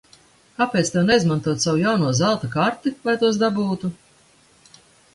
Kāpēc tev neizmantot savu jauno zelta karti, lai tos dabūtu?